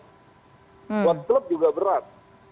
buat klub juga berat